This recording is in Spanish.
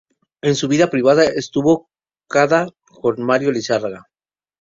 En su vida privada estuvo cada con Mario Lizarraga.